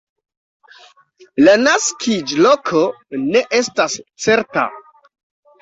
La naskiĝloko ne estas certa.